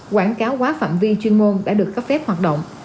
quảng cáo quá phạm vi chuyên môn đã được cấp phép hoạt động